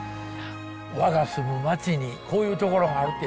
我が住む町にこういうところがあるってどう？